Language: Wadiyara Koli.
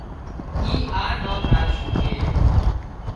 اي آ نام راڇون ڪي